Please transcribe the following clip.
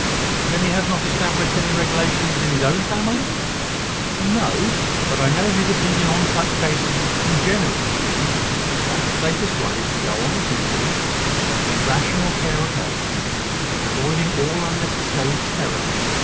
"Then he has not established any regulations in his own family?" "No. But I know his opinion on such cases in general to be, that the safest way is to go on as usual, taking rational care of health, and avoiding all unnecessary terror.